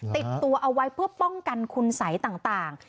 ติดตัวเอาไว้เพื่อป้องกันคุณสัยต่าง